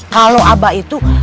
kalau abah itu